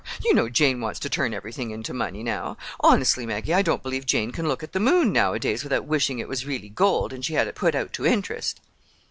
You know Jane wants to turn everything into money now. Honestly, Maggie, I don't believe Jane can look at the moon nowadays without wishing it was really gold, and she had it to put out to interest!"